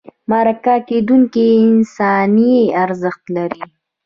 مرکه کېدونکی انساني ارزښت لري.